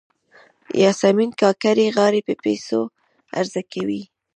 یاسمین کاکړۍ غاړې په پیسو عرضه کوي.